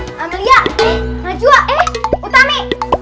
eh amalia eh najwa eh utami